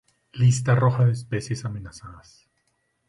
Lista Roja de Especies Amenazadas.